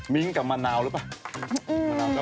มิ้งกับมะนาวรึป่ะ